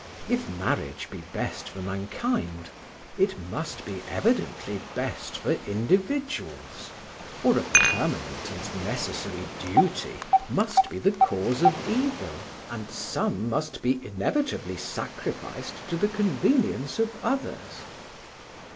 If marriage be best for mankind, it must be evidently best for individuals; or a permanent and necessary duty must be the cause of evil, and some must be inevitably sacrificed to the convenience of others.